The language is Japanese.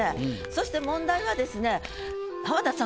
そして問題はですね